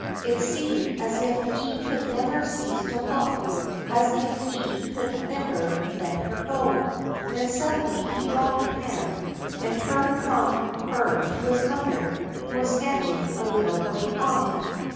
It seemed as if he could never cease to look; as if he could never let her go. Then suddenly he dropped her hand, and turned from her to his mother, who was standing a little way off.